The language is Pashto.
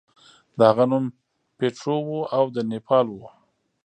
د هغه نوم پیټرو و او د نیپل و.